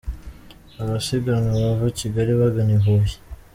Abasiganwa bava i Kigali bagana i Huye.